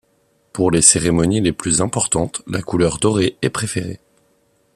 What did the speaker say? Pour les cérémonies les plus importantes, la couleur dorée est préférée.